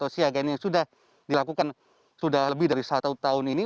namun bila kita melihat status level tiga atau sejak yang dilakukan sudah lebih dari satu tahun ini